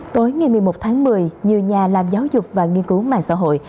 tối ngày một mươi một tháng một mươi nhiều nhà làm giáo dục và nghiên cứu mạng xã hội